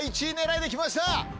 １位狙いで来ました。